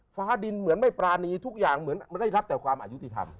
ฟ้าดินเหมือนไม่ปรานีทุกอย่างเหมือนไม่ได้รับแต่ความอายุติธรรม